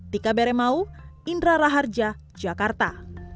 tika bere mau indra raharja jakarta